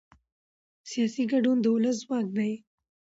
سیاسي ګډون د ولس ځواک دی